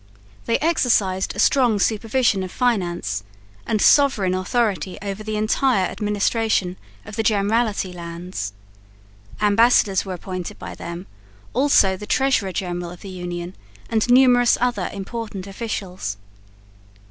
They exercised a strong supervision of finance, and sovereign authority over the entire administration of the "Generality" lands. Ambassadors were appointed by them, also the Treasurer General of the Union, and numerous other important officials.